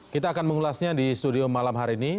kita akan mengulasnya di studio malam hari ini